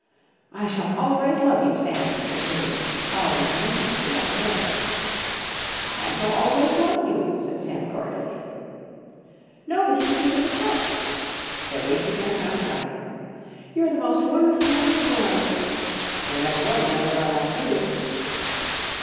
"I shall always love you, Sam!" said Billie, pausing mutinously at the door. "I shall always love you!" said Sam cordially. "Nobody can keep us apart!" "They're wasting their time, trying." "You're the most wonderful man in the world!" "There never was another girl like you!"